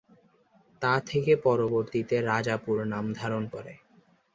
তা থেকে পরবর্তীতে রাজাপুর নাম ধারণ করে।